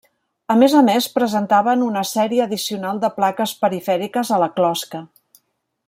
A més a més presentaven una sèrie addicional de plaques perifèriques a la closca.